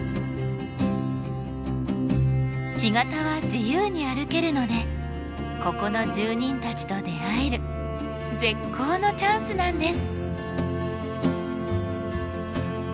干潟は自由に歩けるのでここの住人たちと出会える絶好のチャンスなんです。